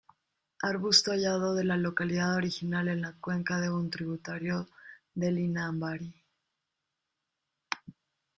Arbusto hallado de la localidad original en la cuenca de un tributario del Inambari.